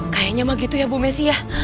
kayaknya mah gitu ya bu messi ya